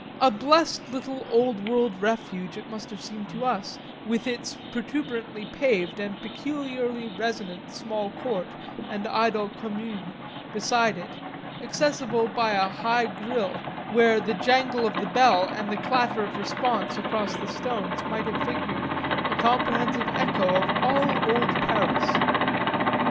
A blest little old world refuge it must have seemed to us, with its protuberantly paved and peculiarly resonant small court and idle communs beside it, accessible by a high grille where the jangle of the bell and the clatter of response across the stones might have figured a comprehensive echo of all old Paris.